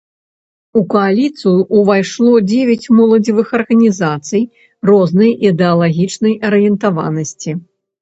У кааліцыю ўвайшло дзевяць моладзевых арганізацый рознай ідэалагічнай арыентаванасці.